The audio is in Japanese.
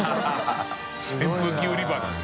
扇風機売り場だ。